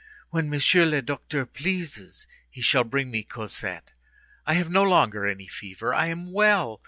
When Monsieur le Docteur pleases, he shall bring me Cosette. I have no longer any fever; I am well.